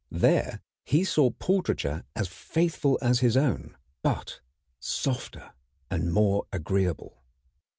There he saw portraiture as faithful as his own, but softer and more agreeable.